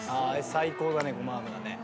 最高だねごま油ね。